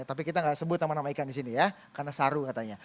tapi kita nggak sebut nama nama ikan di sini ya karena saru katanya